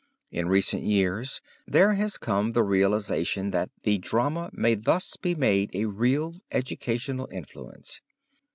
In recent years there has come the realization that the drama may thus be made a real educational influence.